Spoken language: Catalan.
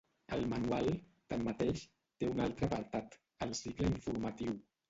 El manual, tanmateix, té un altre apartat: el cicle informatiu.